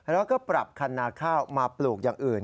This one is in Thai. แล้วก็ปรับคันนาข้าวมาปลูกอย่างอื่น